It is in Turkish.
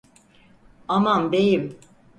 Aman beyim!